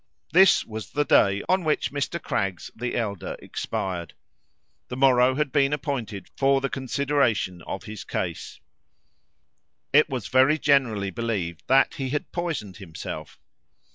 This was the day on which Mr. Craggs the elder expired. The morrow had been appointed for the consideration of his case. It was very generally believed that he had poisoned himself.